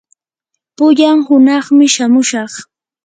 pullan hunaqmi shamushaq.